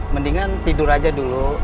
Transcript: mendingan tidur aja dulu